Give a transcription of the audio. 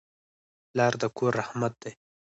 پلار د کور رحمت دی.